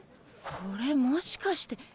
これもしかして？